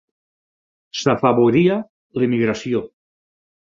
S'afavoria l'emigració.